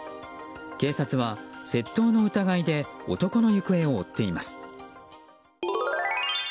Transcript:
警察は窃盗の疑いで男の行方を追っています。